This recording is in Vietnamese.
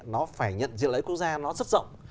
nó phải nhận diện lợi quốc gia nó rất rộng